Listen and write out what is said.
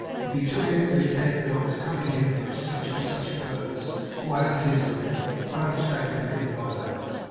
If he took it into his head that I was coming here for such or such a purpose, why, that's his lookout. I don't stand committed by that.